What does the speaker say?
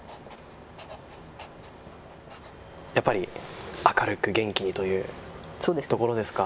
やっぱり明るく元気にというところですか。